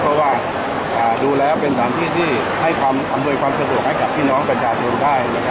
เพราะว่าดูแล้วเป็นสถานที่ที่ให้ความอำนวยความสะดวกให้กับพี่น้องประชาชนได้